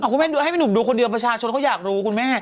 เอาคุณแม่ให้หนูดูคนเดียวประชาชนเขาอยากรู้คุณแม่